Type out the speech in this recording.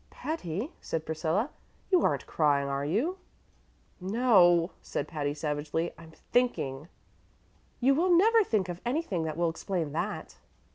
"Patty," said Priscilla, "you aren't crying, are you?" "No," said Patty, savagely; "I'm thinking." "You will never think of anything that will explain that."